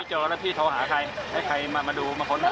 เจอแล้วพี่โทรหาใครให้ใครมามาดูมาค้นหา